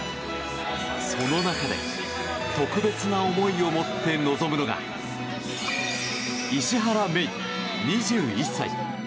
その中で特別な思いを持って臨むのが石原愛依、２１歳。